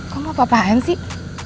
kamu apa apaan sih